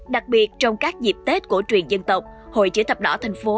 đặc biệt trong các dịp tết cổ truyền dân tộc hội chữ thập đỏ thành phố